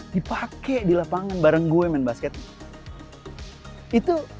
dipakai di lapangan bareng gue main basket